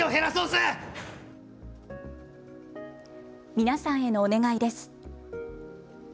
皆さんへのお願いです。